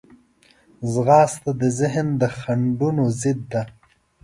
ځغاسته د ذهن د خنډونو ضد ده